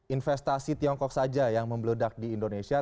investasi tiongkok saja yang membeludak di indonesia